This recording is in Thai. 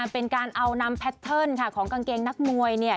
เป็นการเอานำแพทเทิร์นค่ะของกางเกงนักมวยเนี่ย